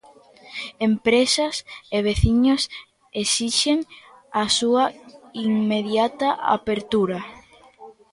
Empresas e veciños esixen a súa inmediata apertura.